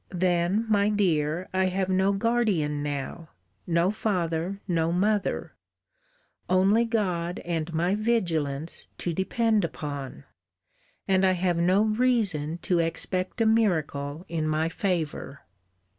Then, my dear, I have no guardian now; no father, no mother! only God and my vigilance to depend upon. And I have no reason to expect a miracle in my favour.